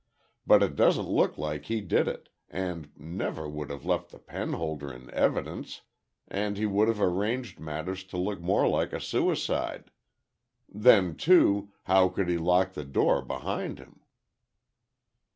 But it doesn't look like he did it, he never would have left the penholder in evidence, and he would have arranged matters to look more like a suicide. Then, too, how could he lock the door behind him?"